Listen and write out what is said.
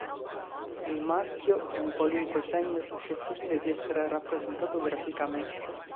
Il marchio è un qualunque segno suscettibile di essere rappresentato graficamente.